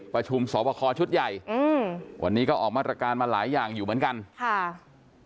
ประชุมสอบคอชุดใหญ่อืมวันนี้ก็ออกมาตรการมาหลายอย่างอยู่เหมือนกันค่ะ